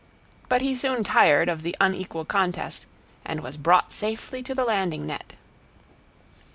But he soon tired of the unequal contest, and was brought safely to the landing net.